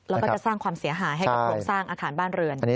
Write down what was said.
แล้วก็จะสร้างความเสียหายให้กับโครงสร้างอาคารบ้านเรือน